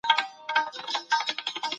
د بل چا اوږو ته مه خیژئ.